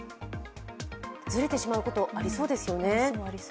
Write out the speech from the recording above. ずれてしまうこと、ありそうですよね。